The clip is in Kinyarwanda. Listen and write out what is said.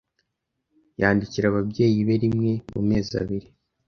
Yandikira ababyeyi be rimwe mu mezi abiri.